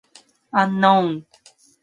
The funding of the campaigns is unknown.